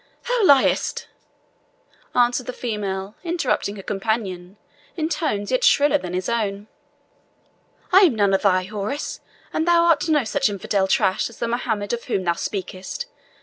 "Thou liest!" answered the female, interrupting her companion, in tones yet shriller than his own; "I am none of thy houris, and thou art no such infidel trash as the Mohammed of whom thou speakest.